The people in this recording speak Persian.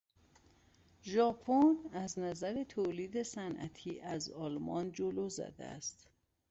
ژاپن از نظر تولید صنعتی از آلمان جلو زده است.